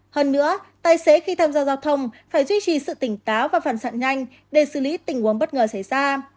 hơn nữa tài xế khi tham gia giao thông phải duy trì sự tỉnh táo và phản xạ nhanh để xử lý tình huống bất ngờ xảy ra